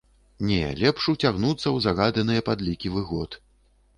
Не, лепш уцягнуцца ў згаданыя падлікі выгод.